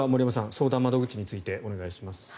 相談窓口についてお願いします。